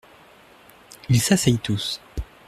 Ils s’asseyent tous.